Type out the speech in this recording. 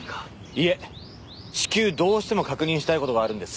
いえ至急どうしても確認したい事があるんです。